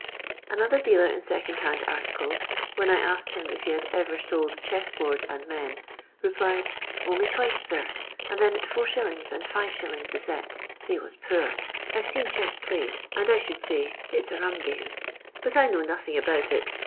Another dealer in second hand articles, when I asked him if he had ever sold chess boards and men, replied, " Only twice, sir, and then at is, and 6s. the set ; they was poor. I 've seen chess played, and I should say it 's a mm game ; but I kuow nothing about it.